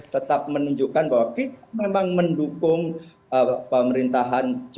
tetap menunjukkan bahwa kita memang mendukung kita mendukung